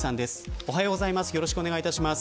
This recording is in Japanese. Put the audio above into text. おはようございます。